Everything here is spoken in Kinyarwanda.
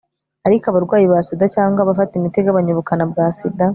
ariko abarwayi ba sida cyangwa abafata imiti igabanya ubukana bwa sida